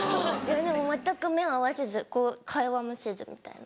でも全く目合わせずこう会話もせずみたいな。